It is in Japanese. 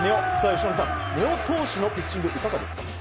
由伸さん、根尾投手のピッチングいかがですか？